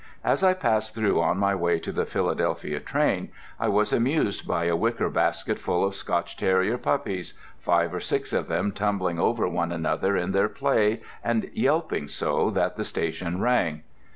As I passed through on my way to the Philadelphia train I was amused by a wicker basket full of Scotch terrier puppies—five or six of them tumbling over one another in their play and yelping so that the station rang.